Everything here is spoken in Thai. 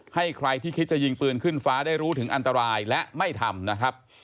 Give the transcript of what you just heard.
ให้ใครที่คิดจะยิงปืนขึ้นฟ้าได้รู้ถึงอันตรายและไม่ทำนะครับ